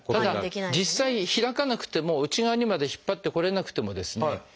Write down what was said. ただ実際開かなくても内側にまで引っ張ってこれなくてもですね